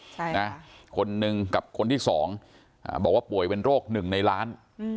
ใช่นะคนหนึ่งกับคนที่สองอ่าบอกว่าป่วยเป็นโรคหนึ่งในล้าน